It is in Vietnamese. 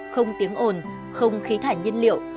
không tiếng ồn không khí thải nhân liệu